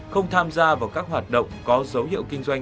không tham gia vào các hoạt động có dấu hiệu kinh doanh